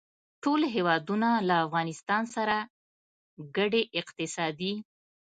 ټول هېوادونه له افغانستان سره ګډې اقتصادي